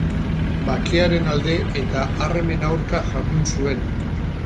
Bakearen alde eta armen aurka jardun zuen.